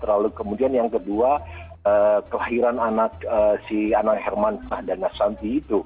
lalu kemudian yang kedua kelahiran anak si anak herman fahdana santi